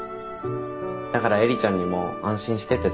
だから映里ちゃんにも安心してって伝えて。